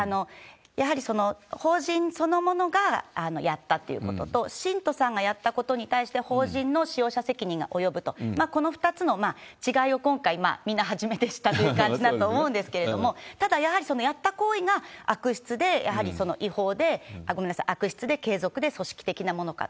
やはり法人そのものがやったっていうことと、信徒さんがやったことに対して法人の使用者責任が及ぶと、この２つの違いを今回、みんな初めて知ったという感じだと思うんですけれども、ただやはり、やった行為が悪質で、やはり悪質で継続で組織的なものか。